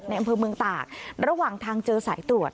อำเภอเมืองตากระหว่างทางเจอสายตรวจ